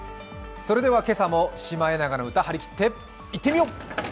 それでは今朝も「シマエナガの歌」張り切っていってみよう！